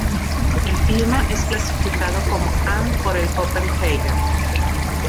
El clima es clasificado como Am por el Köppen-Geiger.